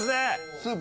「スープ？」